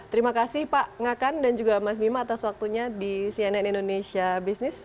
terima kasih pak ngakan dan juga mas bima atas waktunya di cnn indonesia business